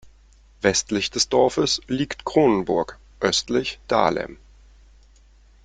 Westlich des Dorfes liegt Kronenburg, östlich Dahlem.